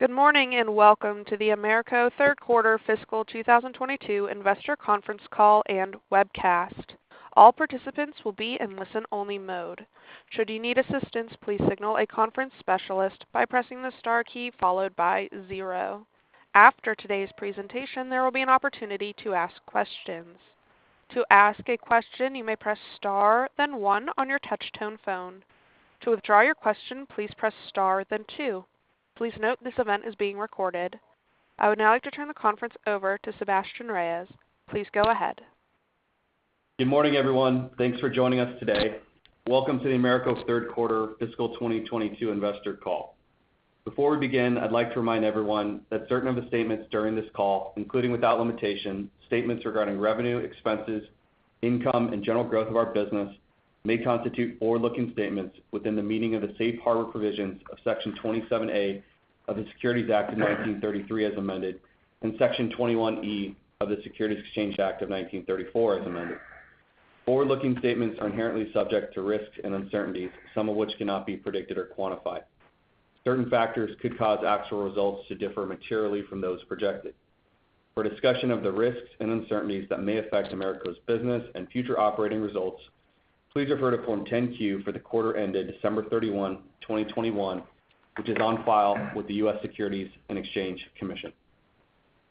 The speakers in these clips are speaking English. Good morning, and welcome to the AMERCO third quarter fiscal 2022 investor conference call and webcast. All participants will be in listen-only mode. Should you need assistance, please signal a conference specialist by pressing the star key followed by zero. After today's presentation, there will be an opportunity to ask questions. To ask a question, you may press star then one on your touchtone phone. To withdraw your question, please press star then two. Please note this event is being recorded. I would now like to turn the conference over to Sebastien Reyes. Please go ahead. Good morning, everyone. Thanks for joining us today. Welcome to the AMERCO third quarter fiscal 2022 investor call. Before we begin, I'd like to remind everyone that certain of the statements during this call, including without limitation, statements regarding revenue, expenses, income, and general growth of our business may constitute forward-looking statements within the meaning of the Safe Harbor provisions of Section 27A of the Securities Act of 1933 as amended and Section 21E of the Securities Exchange Act of 1934 as amended. Forward-looking statements are inherently subject to risks and uncertainties, some of which cannot be predicted or quantified. Certain factors could cause actual results to differ materially from those projected. For discussion of the risks and uncertainties that may affect AMERCO's business and future operating results, please refer to Form 10-Q for the quarter ended December 31, 2021, which is on file with the U.S. Securities and Exchange Commission.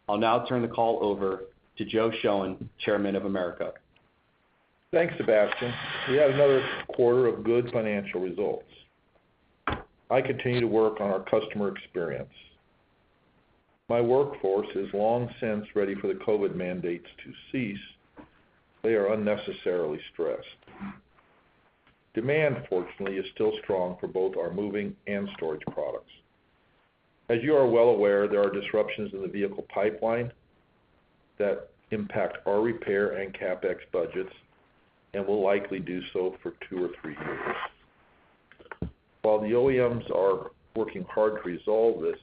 I'll now turn the call over to Joe Shoen, Chairman of AMERCO. Thanks, Sebastien. We had another quarter of good financial results. I continue to work on our customer experience. My workforce is long since ready for the COVID mandates to cease. They are unnecessarily stressed. Demand, fortunately, is still strong for both our moving and storage products. As you are well aware, there are disruptions in the vehicle pipeline that impact our repair and CapEx budgets and will likely do so for two or three years. While the OEMs are working hard to resolve this,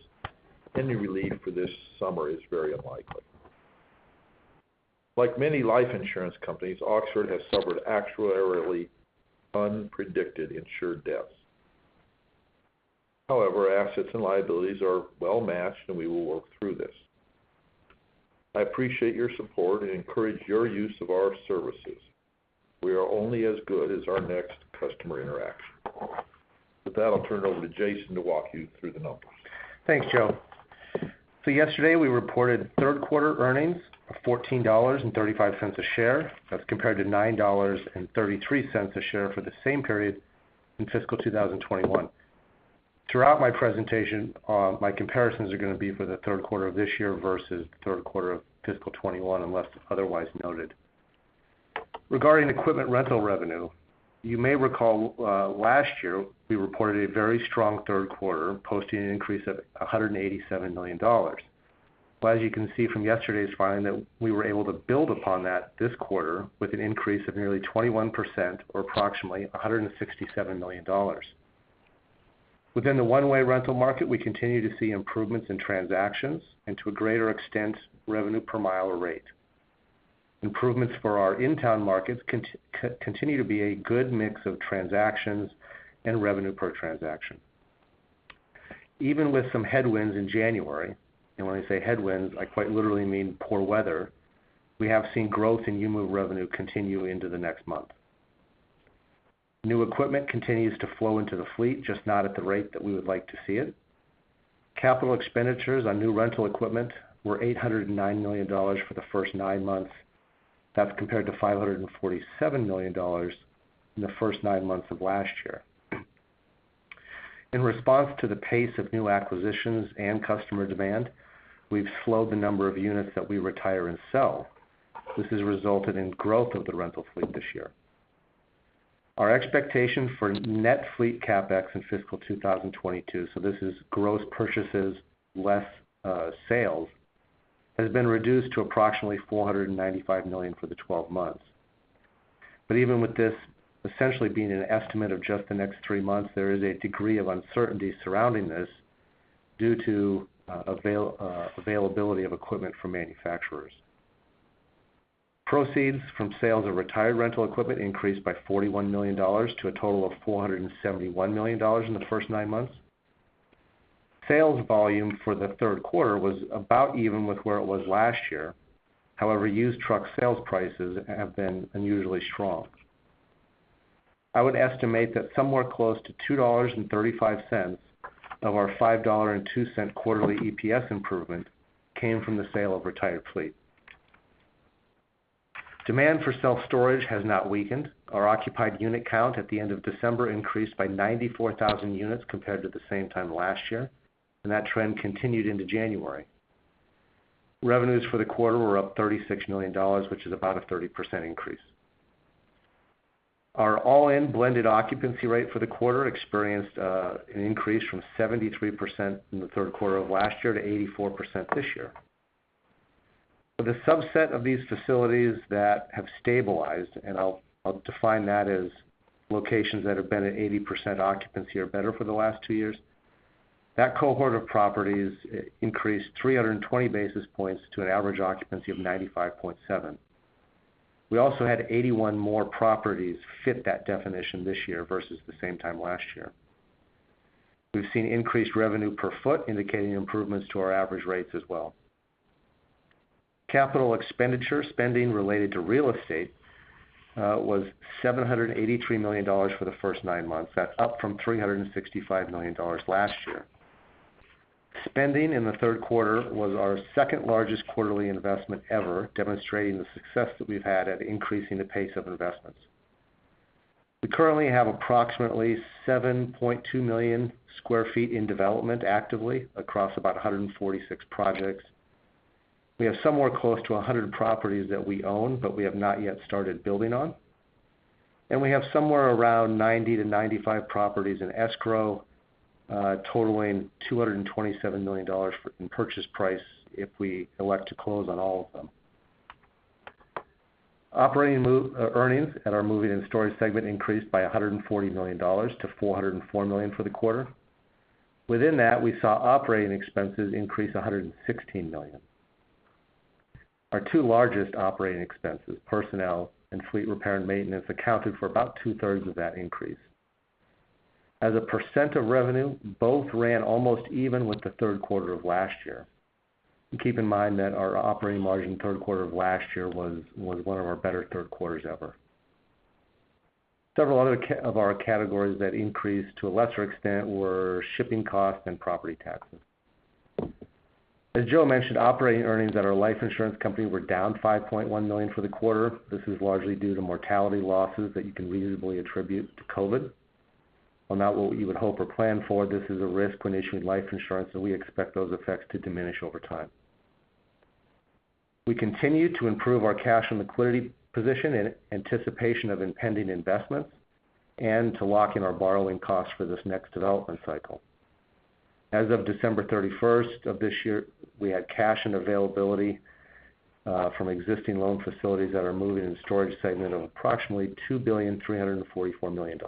any relief for this summer is very unlikely. Like many life insurance companies, Oxford has suffered actuarially unpredicted insured deaths. However, assets and liabilities are well-matched and we will work through this. I appreciate your support and encourage your use of our services. We are only as good as our next customer interaction. With that, I'll turn it over to Jason to walk you through the numbers. Thanks, Joe. Yesterday, we reported third quarter earnings of $14.35 a share. That's compared to $9.33 a share for the same period in fiscal 2021. Throughout my presentation, my comparisons are gonna be for the third quarter of this year versus the third quarter of fiscal 2021, unless otherwise noted. Regarding equipment rental revenue, you may recall last year, we reported a very strong third quarter, posting an increase of $187 million. As you can see from yesterday's filing that we were able to build upon that this quarter with an increase of nearly 21% or approximately $167 million. Within the one-way rental market, we continue to see improvements in transactions and to a greater extent, revenue per mile or rate. Improvements for our in-town markets continue to be a good mix of transactions and revenue per transaction. Even with some headwinds in January and when I say headwinds, I quite literally mean poor weather, we have seen growth in U-Move revenue continue into the next month. New equipment continues to flow into the fleet, just not at the rate that we would like to see it. Capital expenditures on new rental equipment were $809 million for the first nine months. That's compared to $547 million in the first nine months of last year. In response to the pace of new acquisitions and customer demand, we've slowed the number of units that we retire and sell. This has resulted in growth of the rental fleet this year. Our expectation for net fleet CapEx in fiscal 2022, so this is gross purchases less sales, has been reduced to approximately $495 million for the 12 months. Even with this essentially being an estimate of just the next three months, there is a degree of uncertainty surrounding this due to availability of equipment from manufacturers. Proceeds from sales of retired rental equipment increased by $41 million to a total of $471 million in the first nine months. Sales volume for the third quarter was about even with where it was last year. However, used truck sales prices have been unusually strong. I would estimate that somewhere close to $2.35 of our $5.02 quarterly EPS improvement came from the sale of retired fleet. Demand for self-storage has not weakened. Our occupied unit count at the end of December increased by 94,000 units compared to the same time last year and that trend continued into January. Revenues for the quarter were up $36 million, which is about a 30% increase. Our all-in blended occupancy rate for the quarter experienced an increase from 73% in the third quarter of last year to 84% this year. For the subset of these facilities that have stabilized and I'll define that as locations that have been at 80% occupancy or better for the last two years, that cohort of properties increased 320 basis points to an average occupancy of 95.7%. We also had 81 more properties fit that definition this year versus the same time last year. We've seen increased revenue per foot, indicating improvements to our average rates as well. Capital expenditure spending related to real estate was $783 million for the first nine months. That's up from $365 million last year. Spending in the third quarter was our second largest quarterly investment ever, demonstrating the success that we've had at increasing the pace of investments. We currently have approximately 7.2 million sq ft in development actively across about 146 projects. We have somewhere close to 100 properties that we own but we have not yet started building on. We have somewhere around 90-95 properties in escrow, totaling $227 million in purchase price if we elect to close on all of them. Operating earnings at our Moving and Storage segment increased by $140 million to $404 million for the quarter. Within that, we saw operating expenses increase $116 million. Our two largest operating expenses, personnel and fleet repair and maintenance, accounted for about two-thirds of that increase. As a percent of revenue, both ran almost even with the third quarter of last year. Keep in mind that our operating margin third quarter of last year was one of our better third quarters ever. Several other categories that increased to a lesser extent were shipping costs and property taxes. As Joe mentioned, operating earnings at our life insurance company were down $5.1 million for the quarter. This is largely due to mortality losses that you can reasonably attribute to COVID. While not what you would hope or plan for, this is a risk when issuing life insurance, and we expect those effects to diminish over time. We continue to improve our cash and liquidity position in anticipation of impending investments and to lock in our borrowing costs for this next development cycle. As of December 31st of this year, we had cash and availability from existing loan facilities at our Moving and Storage segment of approximately $2,344 billion.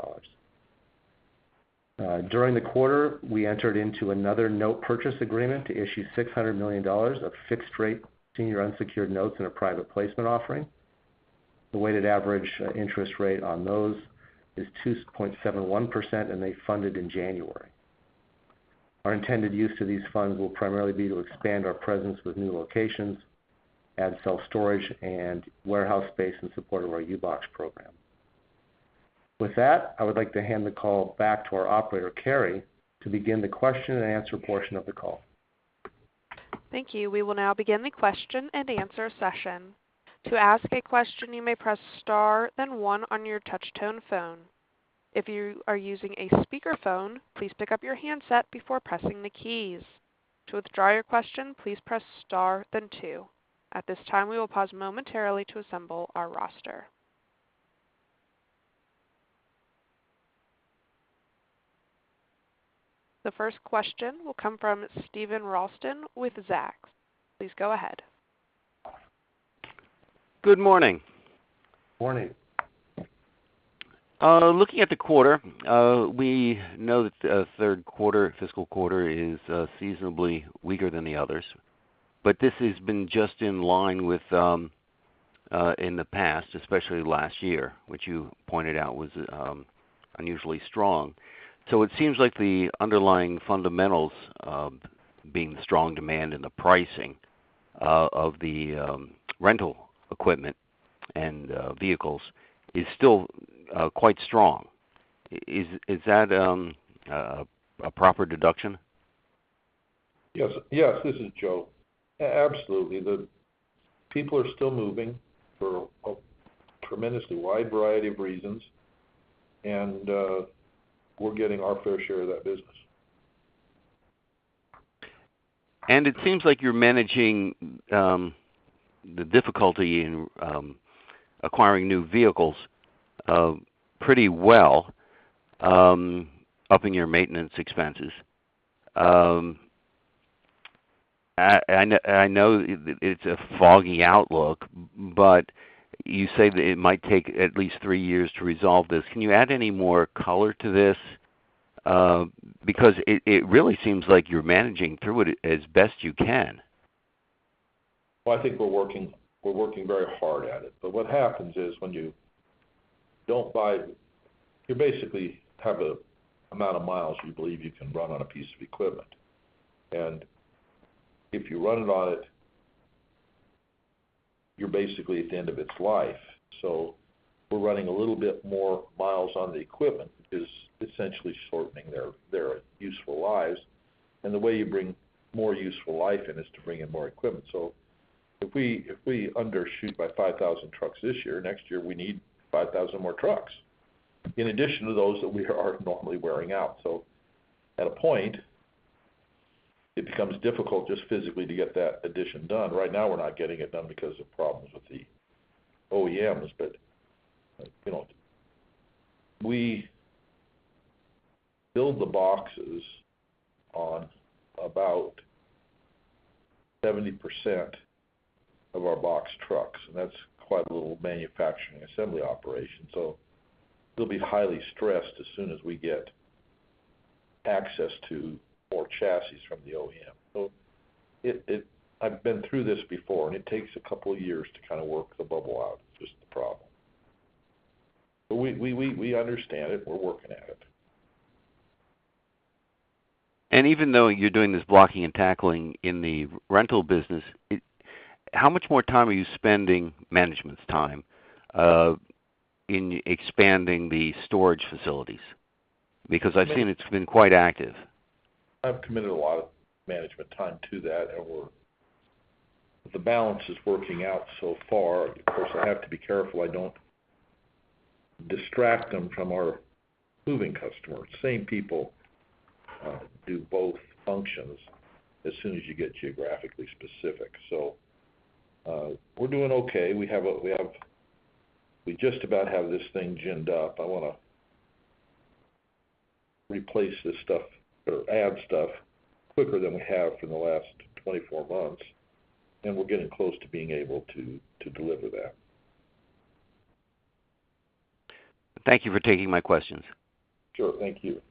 During the quarter, we entered into another note purchase agreement to issue $600 million of fixed rate senior unsecured notes in a private placement offering. The weighted average interest rate on those is 2.71% and they funded in January. Our intended use of these funds will primarily be to expand our presence with new locations and sell storage and warehouse space in support of our U-Box program. With that, I would like to hand the call back to our operator, Carrie, to begin the question and answer portion of the call. Thank you. We will now begin the question and answer session. To ask a question, you may press star then one on your touch tone phone. If you are using a speakerphone, please pick up your handset before pressing the keys. To withdraw your question, please press star then two. At this time, we will pause momentarily to assemble our roster. The first question will come from Steven Ralston with Zacks. Please go ahead. Good morning. Morning. Looking at the quarter, we know that the third quarter, fiscal quarter is seasonally weaker than the others. This has been just in line with in the past, especially last year, which you pointed out was unusually strong. It seems like the underlying fundamentals of being the strong demand in the pricing of the rental equipment and vehicles is still quite strong. Is that a proper deduction? Yes. Yes, this is Joe. Absolutely. People are still moving for a tremendously wide variety of reasons and we're getting our fair share of that business. It seems like you're managing the difficulty in acquiring new vehicles pretty well, upping your maintenance expenses. I know it's a foggy outlook but you say that it might take at least three years to resolve this. Can you add any more color to this? Because it really seems like you're managing through it as best you can. Well, I think we're working very hard at it. What happens is when you don't buy, you basically have the amount of miles you believe you can run on a piece of equipment. If you're running on it, you're basically at the end of its life. We're running a little bit more miles on the equipment is essentially shortening their useful lives. The way you bring more useful life in is to bring in more equipment. If we undershoot by 5,000 trucks this year, next year we need 5,000 more trucks, in addition to those that we are normally wearing out. At a point, it becomes difficult just physically to get that addition done. Right now, we're not getting it done because of problems with the OEMs. You know, we build the boxes on about 70% of our box trucks and that's quite a little manufacturing assembly operation. They'll be highly stressed as soon as we get Access to more chassis from the OEM. I've been through this before, and it takes a couple of years to kind of work the bubble out, which is the problem. We understand it. We're working at it. Even though you're doing this blocking and tackling in the rental business, how much more time are you spending, management's time, in expanding the storage facilities? Because I've seen it's been quite active. I've committed a lot of management time to that and the balance is working out so far. Of course, I have to be careful I don't distract them from our moving customers. Same people do both functions as soon as you get geographically specific. We're doing okay. We just about have this thing ginned up. I wanna replace this stuff or add stuff quicker than we have for the last 24 months and we're getting close to being able to deliver that. Thank you for taking my questions. Sure. Thank you.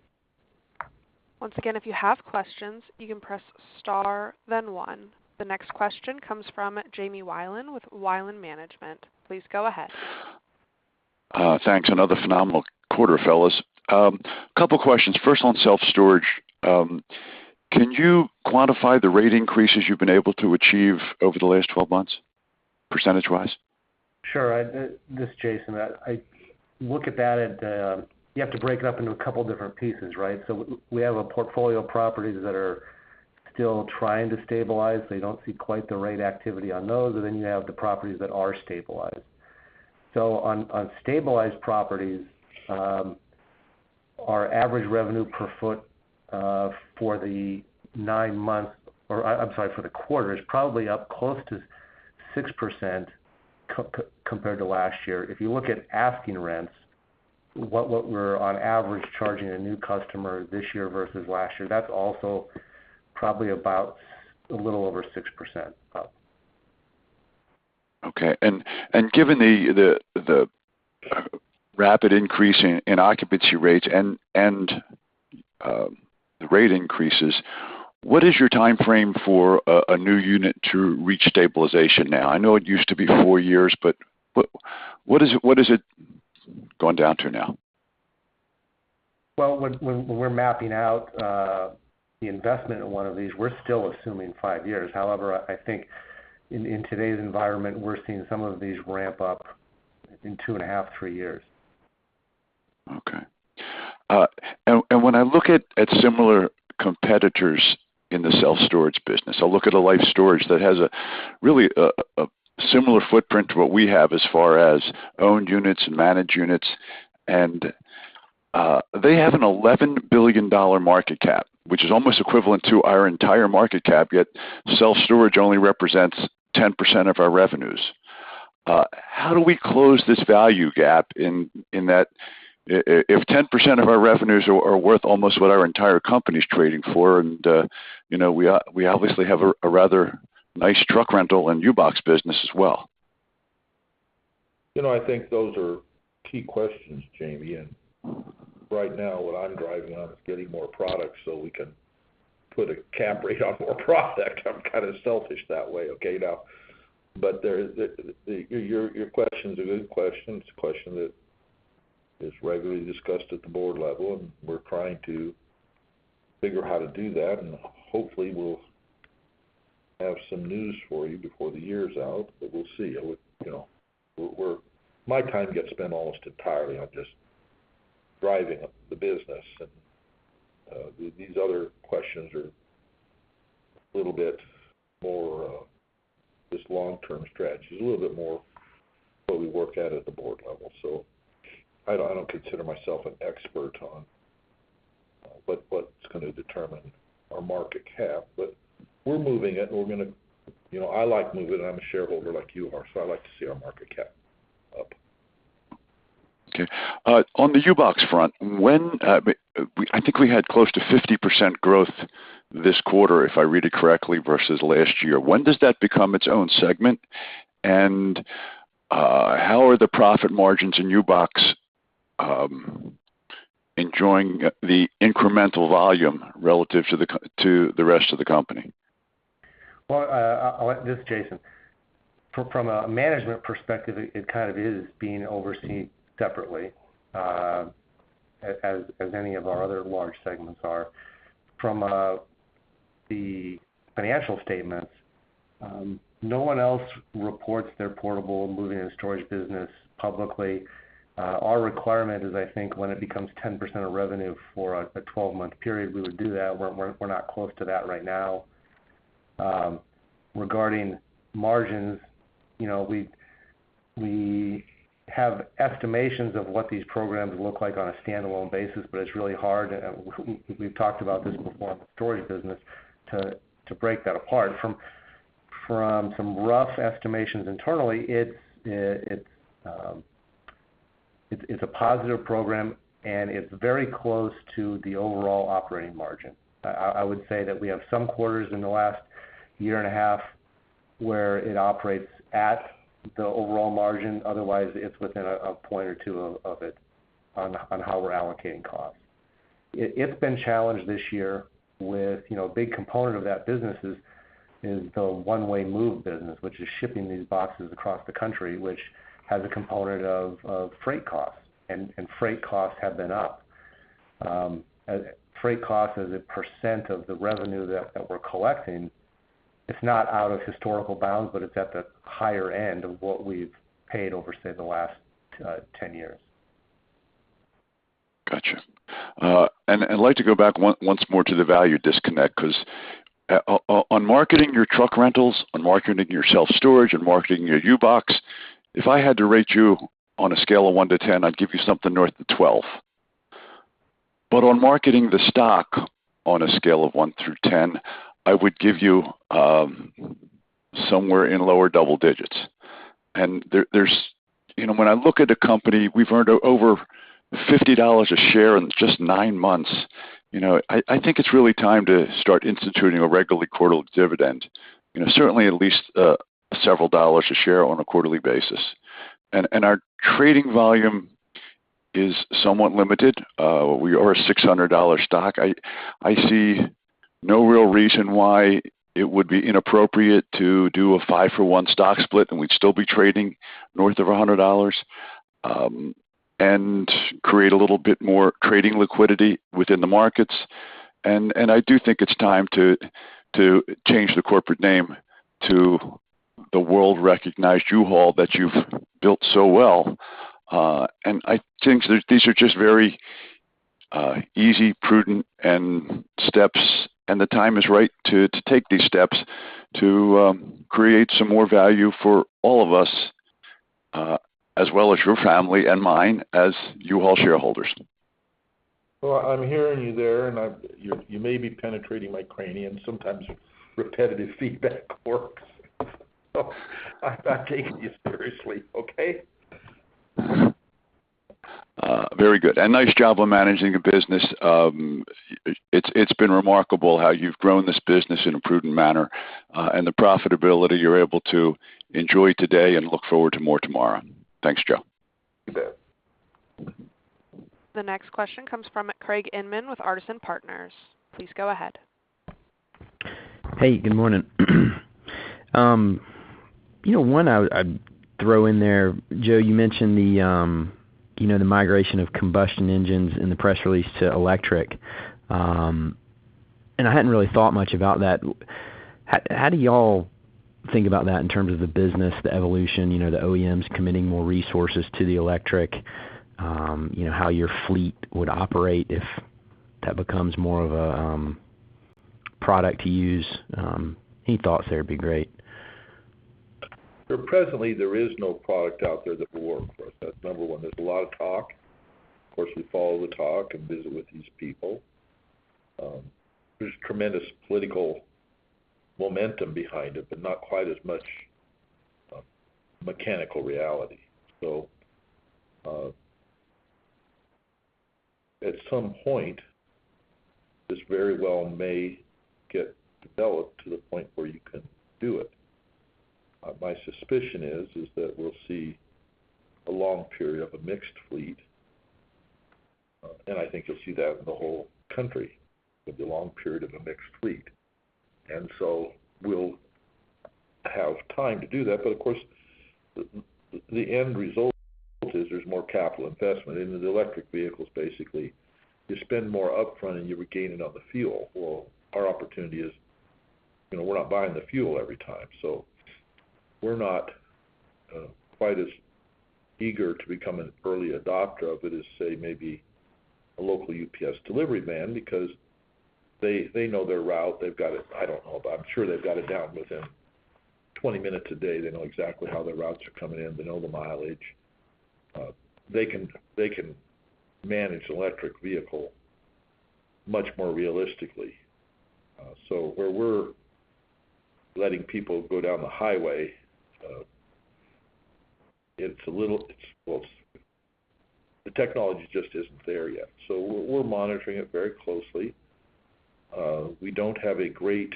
Once again, if you have questions, you can press star then one. The next question comes from Jamie Wilen with Wilen Management. Please go ahead. Thanks. Another phenomenal quarter, fellas. Couple questions. First on self-storage, can you quantify the rate increases you've been able to achieve over the last twelve months, percentage-wise? Sure. This is Jason. I look at that at. You have to break it up into a couple different pieces, right? We have a portfolio of properties that are still trying to stabilize, so you don't see quite the right activity on those, and then you have the properties that are stabilized. On stabilized properties, our average revenue per foot for the nine month or, I'm sorry, for the quarter is probably up close to 6% compared to last year. If you look at asking rents, what we're on average charging a new customer this year versus last year, that's also probably about a little over 6% up. Okay. Given the rapid increase in occupancy rates and the rate increases, what is your timeframe for a new unit to reach stabilization now? I know it used to be four years but what is it going down to now? Well, when we're mapping out the investment in one of these, we're still assuming five years. However, I think in today's environment, we're seeing some of these ramp up in two and a half, three years. Okay. When I look at similar competitors in the self-storage business, I look at Life Storage that has a really similar footprint to what we have as far as owned units and managed units. They have an $11 billion market cap, which is almost equivalent to our entire market cap yet self-storage only represents 10% of our revenues. How do we close this value gap in that if 10% of our revenues are worth almost what our entire company's trading for, and you know, we obviously have a rather nice truck rental and U-Box business as well. You know, I think those are key questions, Jamie. Right now, what I'm driving on is getting more products so we can put a cap rate on more product. I'm kinda selfish that way, okay, now. Your question's a good question. It's a question that is regularly discussed at the board level and we're trying to figure how to do that and hopefully we'll have some news for you before the year's out, but we'll see. You know, my time gets spent almost entirely on just driving the business and these other questions are a little bit more this long-term strategy. It's a little bit more what we work at the board level. I don't consider myself an expert on what's gonna determine our market cap. We're moving it, and we're gonna. You know, I like moving it. I'm a shareholder like you are, so I like to see our market cap up. Okay. On the U-Box front, I think we had close to 50% growth this quarter, if I read it correctly, versus last year. When does that become its own segment and how are the profit margins in U-Box enjoying the incremental volume relative to the rest of the company? Well, I'll add this, Jason. From a management perspective, it kind of is being overseen separately, as any of our other large segments are. From the financial statements, no one else reports their portable moving and storage business publicly. Our requirement is, I think, when it becomes 10% of revenue for a 12-month period, we would do that. We're not close to that right now. Regarding margins, you know, we have estimations of what these programs look like on a standalone basis but it's really hard, we've talked about this before in the storage business to break that apart. From some rough estimations internally, it's a positive program and it's very close to the overall operating margin. I would say that we have some quarters in the last year and a half. Where it operates at the overall margin, otherwise it's within a point or two of it on how we're allocating costs. It's been challenged this year with a big component of that business is the one-way move business, which is shipping these boxes across the country, which has a component of freight costs, and freight costs have been up. Freight cost as a percent of the revenue that we're collecting, it's not out of historical bounds but it's at the higher end of what we've paid over, say, the last 10 years. Gotcha. I'd like to go back once more to the value disconnect 'cause on marketing your truck rentals, on marketing your self-storage and marketing your U-Box, if I had to rate you on a scale of one to 10, I'd give you something north of 12. On marketing the stock on a scale of one through 10, I would give you somewhere in lower double digits. You know, when I look at a company, we've earned over $50 a share, and it's just nine months. You know, I think it's really time to start instituting a regular quarterly dividend. You know, certainly at least several dollars a share on a quarterly basis. Our trading volume is somewhat limited. We are a $600 stock. I see no real reason why it would be inappropriate to do a five-for-one stock split, and we'd still be trading north of $100 and create a little bit more trading liquidity within the markets. I do think it's time to change the corporate name to the world-recognized U-Haul that you've built so well. I think these are just very easy, prudent, and steps, and the time is right to take these steps to create some more value for all of us, as well as your family and mine as U-Haul shareholders. Well, I'm hearing you there and you may be penetrating my cranium. Sometimes repetitive feedback works. I'm taking you seriously, okay? Very good. Nice job on managing the business. It's been remarkable how you've grown this business in a prudent manner and the profitability you're able to enjoy today and look forward to more tomorrow. Thanks, Joe. You bet. The next question comes from Craig Inman with Artisan Partners. Please go ahead. Hey, good morning. You know, I'd throw in there, Joe, you mentioned the you know the migration of combustion engines in the press release to electric and I hadn't really thought much about that. How do y'all think about that in terms of the business, the evolution, you know, the OEMs committing more resources to the electric, you know, how your fleet would operate if that becomes more of a product to use? Any thoughts there would be great. Presently, there is no product out there that will work for us. That's number one. There's a lot of talk. Of course, we follow the talk and visit with these people. There's tremendous political momentum behind it, but not quite as much mechanical reality. At some point, this very well may get developed to the point where you can do it. My suspicion is that we'll see a long period of a mixed fleet, and I think you'll see that in the whole country, with the long period of a mixed fleet. We'll have time to do that. Of course, the end result is there's more capital investment into the electric vehicles, basically. You spend more upfront, and you regain it on the fuel. Well, our opportunity is, you know, we're not buying the fuel every time, so we're not quite as eager to become an early adopter of it as, say, maybe a local UPS delivery man because they know their route. They've got it. I don't know, but I'm sure they've got it down within 20 minutes a day. They know exactly how their routes are coming in. They know the mileage. They can manage electric vehicle much more realistically. So where we're letting people go down the highway, well, the technology just isn't there yet. So we're monitoring it very closely. We don't have a great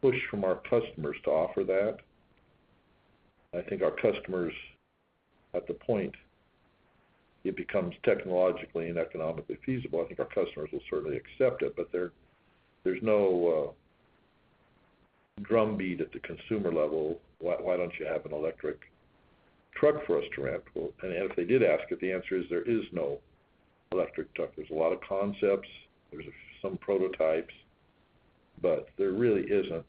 push from our customers to offer that. I think our customers at the point it becomes technologically and economically feasible, I think our customers will certainly accept it. There, there's no drumbeat at the consumer level, "Why don't you have an electric truck for us to rent?" Well, if they did ask it, the answer is there is no electric truck. There's a lot of concepts, there's some prototypes, but there really isn't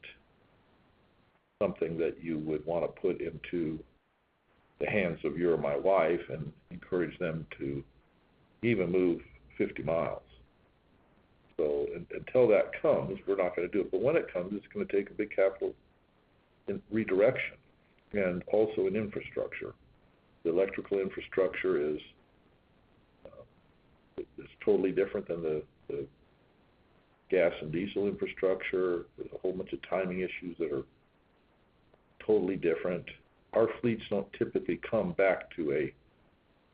something that you would wanna put into the hands of your or my wife and encourage them to even move 50 miles. Until that comes, we're not gonna do it but when it comes, it's gonna take a big capital and redirection and also an infrastructure. The electrical infrastructure is, it's totally different than the gas and diesel infrastructure. There's a whole bunch of timing issues that are totally different. Our fleets don't typically come back to a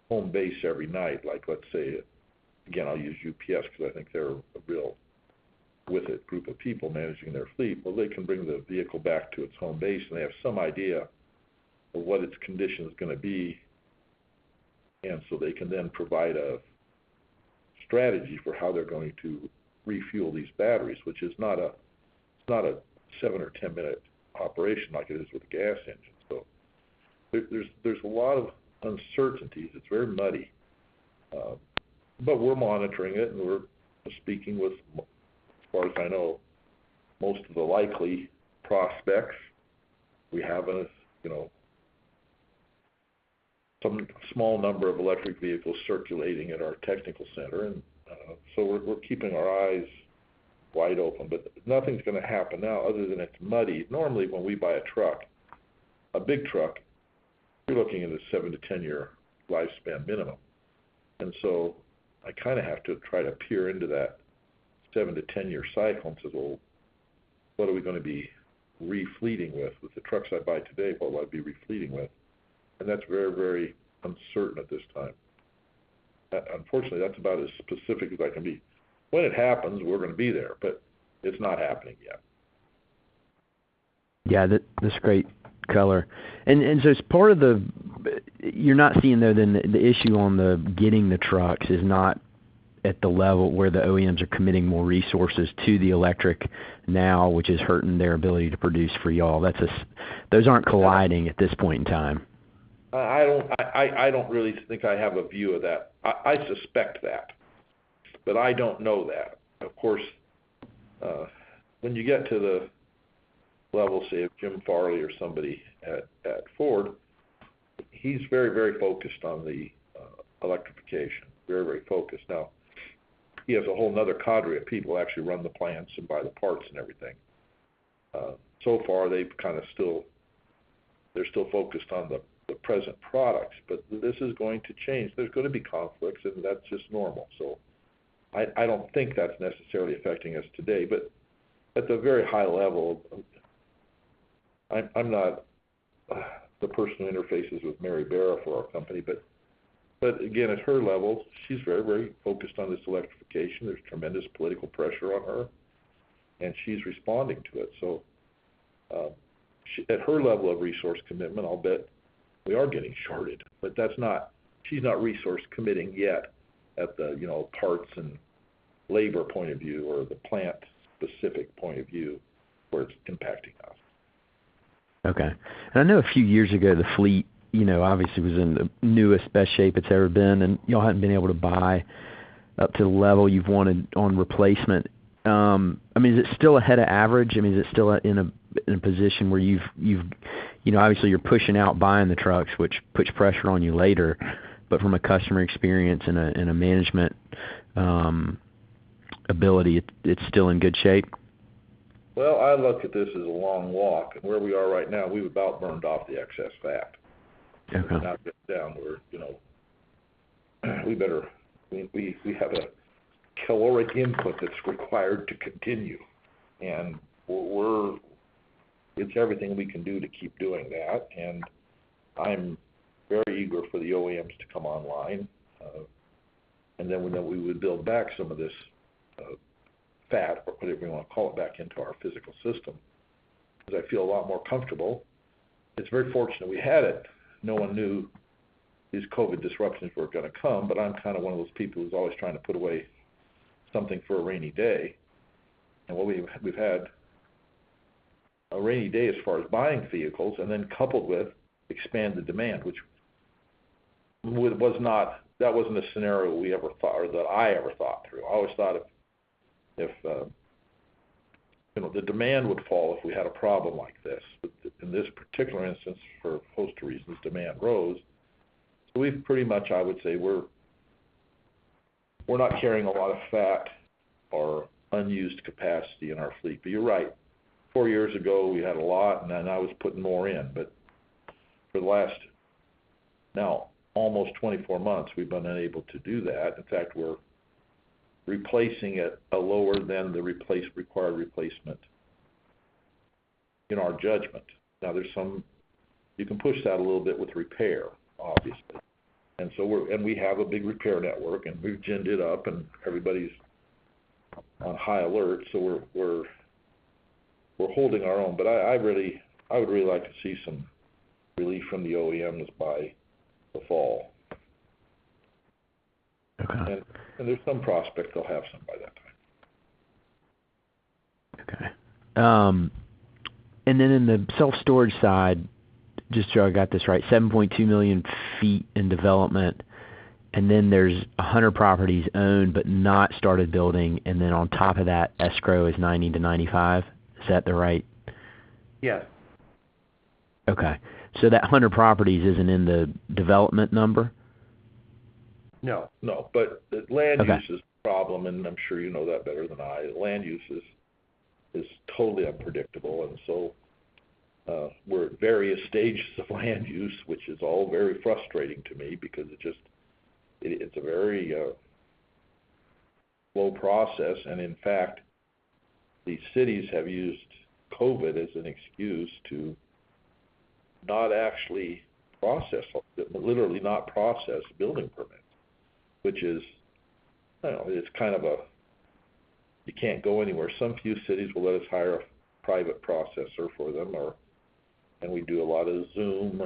home base every night, like let's say, again, I'll use UPS because I think they're a real with-it group of people managing their fleet. Well, they can bring the vehicle back to its home base and they have some idea of what its condition is going to be, and so they can then provide a strategy for how they're going to refuel these batteries, which is not a seven- or ten-minute operation like it is with gas engines. There's a lot of uncertainties. It's very muddy. We're monitoring it and we're speaking with, as far as I know, most of the likely prospects. We have a, you know, some small number of electric vehicles circulating at our technical center. We're keeping our eyes wide open. Nothing's going to happen now other than it's muddy. Normally, when we buy a truck, a big truck, you're looking at a seven to 10-year lifespan minimum. I kind of have to try to peer into that seven to 10-year cycle and say, "Well, what are we going to be re-fleeting with? With the trucks I buy today, what will I be re-fleeting with?" That's very, very uncertain at this time. Unfortunately, that's about as specific as I can be. When it happens, we're going to be there but it's not happening yet. Yeah. That's great color. You're not seeing, though, that the issue on getting the trucks is not at the level where the OEMs are committing more resources to the electric now, which is hurting their ability to produce for y'all. Those aren't colliding at this point in time. I don't really think I have a view of that. I suspect that but I don't know that. Of course, when you get to the level, say, of Jim Farley or somebody at Ford, he's very, very focused on the electrification. Very, very focused. Now, he has a whole another cadre of people actually run the plants and buy the parts and everything. So far, they've kind of still they're still focused on the present products but this is going to change. There's going to be conflicts and that's just normal. I don't think that's necessarily affecting us today. At the very high level, I'm not the person who interfaces with Mary Barra for our company but again, at her level, she's very, very focused on this electrification. There's tremendous political pressure on her and she's responding to it. At her level of resource commitment, I'll bet we are getting shorted but she's not resource committing yet at the, you know, parts and labor point of view or the plant-specific point of view where it's impacting us. Okay. I know a few years ago, the fleet obviously was in the newest best shape it's ever been and y'all hadn't been able to buy up to the level you've wanted on replacement. I mean, is it still ahead of average? I mean, is it still in a position where you've you know, obviously you're pushing out buying the trucks, which puts pressure on you later but from a customer experience and a management ability, it's still in good shape? Well, I look at this as a long walk. Where we are right now, we've about burned off the excess fat. Okay. If you knock this down, we're, you know, we better. We have a caloric input that's required to continue and we're, it's everything we can do to keep doing that. I'm very eager for the OEMs to come online. Then we know we would build back some of this fat or whatever you want to call it back into our physical system because I feel a lot more comfortable. It's very fortunate we had it. No one knew these COVID disruptions were gonna come but I'm kind of one of those people who's always trying to put away something for a rainy day. What we've had a rainy day as far as buying vehicles and then coupled with expanded demand, which that wasn't a scenario we ever thought or that I ever thought through. I always thought if you know the demand would fall if we had a problem like this. In this particular instance, for a host of reasons, demand rose. We've pretty much, I would say, we're not carrying a lot of fat or unused capacity in our fleet. You're right. four years ago, we had a lot and then I was putting more in. For the last now almost 24 months, we've been unable to do that. In fact, we're replacing at a lower than the required replacement in our judgment. Now, you can push that a little bit with repair, obviously. We have a big repair network and we've ginned it up and everybody's on high alert. We're holding our own. I really would like to see some relief from the OEMs by the fall. Okay. there's some prospect they'll have some by that time. Okay. In the self-storage side, just so I got this right, 7.2 million ft in development and then there's 100 properties owned but not started building, and then on top of that, escrow is 90-95. Is that the right? Yes. Okay. That 100 properties isn't in the development number? No, no. Okay Land use is the problem and I'm sure you know that better than I. Land use is totally unpredictable. We're at various stages of land use, which is all very frustrating to me because it's a very slow process. In fact, these cities have used COVID as an excuse to not actually process, literally not process building permits, which is, I don't know, it's kind of a you can't go anywhere. Some few cities will let us hire a private processor for them or and we do a lot of Zoom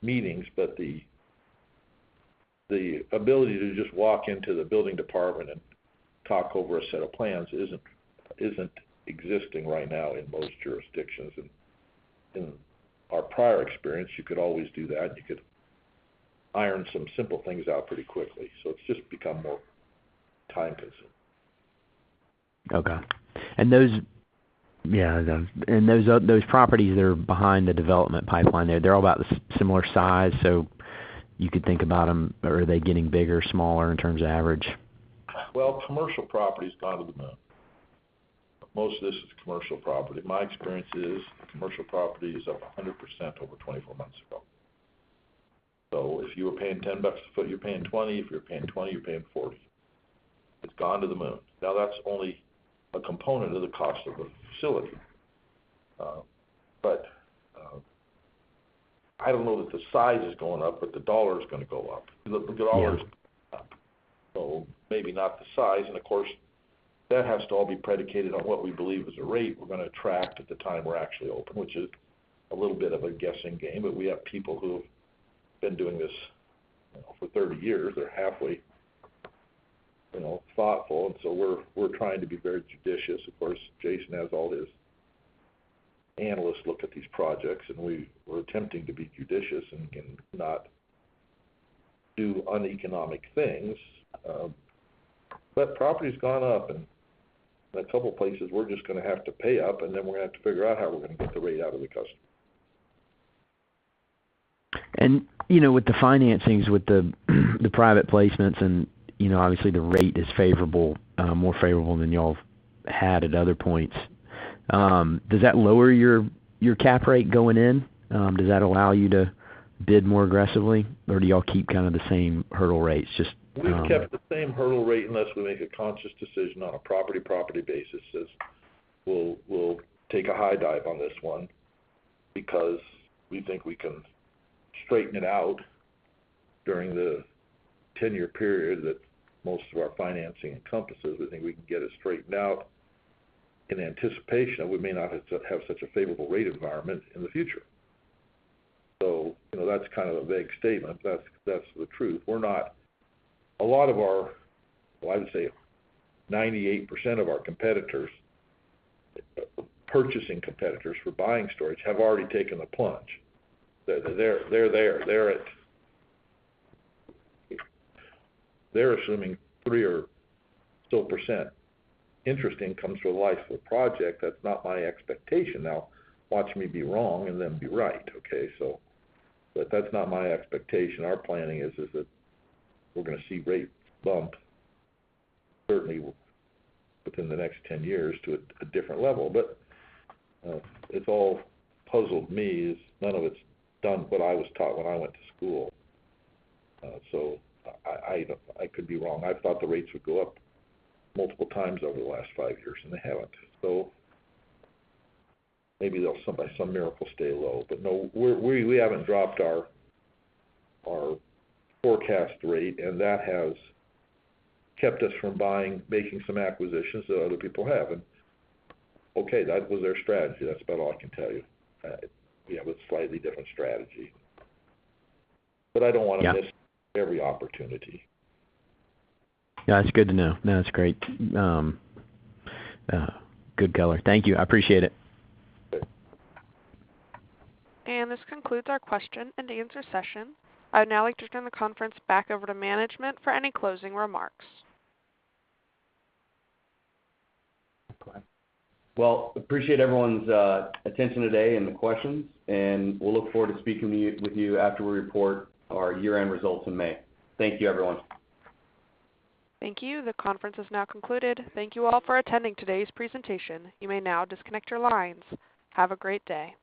meetings, but the ability to just walk into the building department and talk over a set of plans isn't existing right now in most jurisdictions. In our prior experience, you could always do that. You could iron some simple things out pretty quickly. It's just become more time-consuming. Okay. Those properties that are behind the development pipeline there, they're all about the similar size, so you could think about them. Are they getting bigger, smaller in terms of average? Well, commercial property's gone to the moon. Most of this is commercial property. My experience is commercial property is up 100% over 24 months ago. If you were paying $10 a foot, you're paying $20. If you're paying $20, you're paying $40. It's gone to the moon. Now, that's only a component of the cost of a facility. I don't know that the size is going up, but the dollar is gonna go up. The dollar- Yeah. Is up. Maybe not the size and of course, that has to all be predicated on what we believe is the rate we're gonna attract at the time we're actually open, which is a little bit of a guessing game. We have people who've been doing this, you know, for 30 years. They're halfway, you know, thoughtful and so we're trying to be very judicious. Of course, Jason has all his analysts look at these projects and we're attempting to be judicious and can not do uneconomic things. Property's gone up. In a couple of places, we're just gonna have to pay up and then we're gonna have to figure out how we're gonna get the rate out of the customer. You know, with the financings, with the private placements and, you know, obviously the rate is favorable, more favorable than y'all have had at other points. Does that lower your cap rate going in? Does that allow you to bid more aggressively or do y'all keep kind of the same hurdle rates? Just We've kept the same hurdle rate unless we make a conscious decision on a property-by-property basis. We'll take a deep dive on this one because we think we can straighten it out during the 10-year period that most of our financing encompasses. We think we can get it straightened out in anticipation that we may not have such a favorable rate environment in the future. You know, that's kind of a vague statement. That's the truth. We're not. A lot of our, well, I would say 98% of our competitors, purchasing competitors for buying storage, have already taken the plunge. They're there. They're assuming 3% or so interest rate over the life of the project. That's not my expectation. Now, watch me be wrong and them be right, okay, so. That's not my expectation. Our planning is that we're gonna see rates bump certainly within the next 10 years to a different level. What has puzzled me is none of it's done what I was taught when I went to school. I could be wrong. I thought the rates would go up multiple times over the last five years and they haven't. Maybe they'll by some miracle stay low. No, we haven't dropped our forecast rate, and that has kept us from buying, making some acquisitions that other people have. Okay, that was their strategy. That's about all I can tell you. Yeah, it was a slightly different strategy. I don't wanna- Yeah. miss every opportunity. Yeah, that's good to know. No, that's great. Good color. Thank you. I appreciate it. Okay. This concludes our question and answer session. I'd now like to turn the conference back over to management for any closing remarks. Well, I appreciate everyone's attention today and the questions and we'll look forward to speaking with you after we report our year-end results in May. Thank you, everyone. Thank you. The conference has now concluded. Thank you all for attending today's presentation. You may now disconnect your lines. Have a great day.